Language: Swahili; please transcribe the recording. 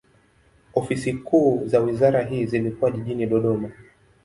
Ofisi kuu za wizara hii zilikuwa jijini Dodoma.